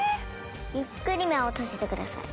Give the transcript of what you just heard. ゆっくり目を閉じてください。